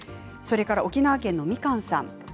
沖縄県の方です。